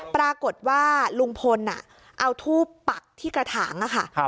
ปรากฏว่าลุงพลเอาทูบปักที่กระถางค่ะ